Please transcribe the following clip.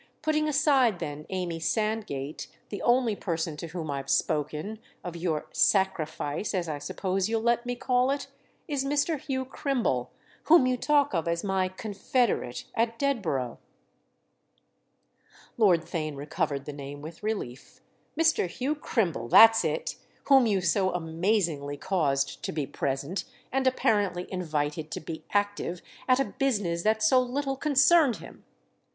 Putting aside then Amy Sandgate, the only person to whom I've spoken—of your 'sacrifice,' as I suppose you'll let me call it?—is Mr. Hugh Crimble, whom you talk of as my 'confederate' at Dedborough." Lord Theign recovered the name with relief. "Mr. Hugh Crimble—that's it!—whom you so amazingly caused to be present, and apparently invited to be active, at a business that so little concerned him."